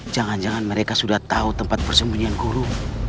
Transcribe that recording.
jangan jangan mereka sudah tahu tempat persembunyian guru